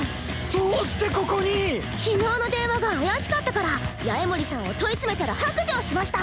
どうしてここに⁉昨日の電話が怪しかったから八重森さんを問い詰めたら白状しました。